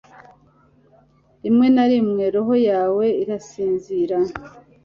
rimwe na rimwe roho yawe irasinzira